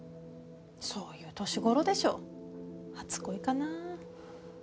そういう年頃でしょ初恋かなぁ。